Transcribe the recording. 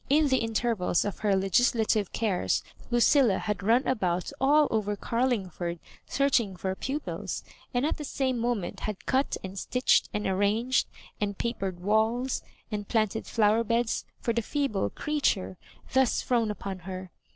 In the in tervals of her legislative cares Lucilla had run about all over Garlingford searching for pupils* and at the same moment had cut and stitched and arranged, and papered walls, and planted flower beds, for the feeble creature thus thrown upon her.